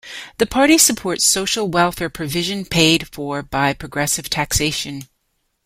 The party supports social welfare provision paid for by progressive taxation.